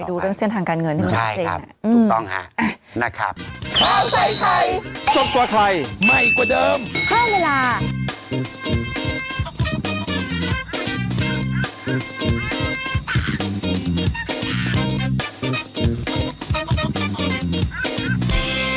ไปดูเรื่องเสื่อนทางการเงินที่มันจัดจริงใช่ครับถูกต้องค่ะนะครับ